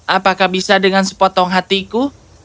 apakah bisa dengan sepotong hatiku